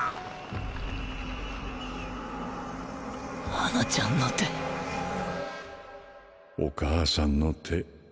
華ちゃんの手お母さんの手。